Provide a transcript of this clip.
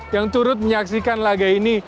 yang turut menyaksikan laga ini